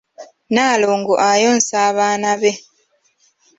Nnaalongo ayonsa abaana be.